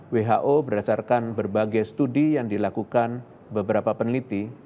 who berdasarkan berbagai studi yang dilakukan beberapa peneliti